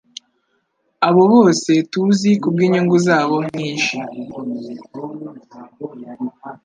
abo bose tuzi kubwinyungu zabo nyinshi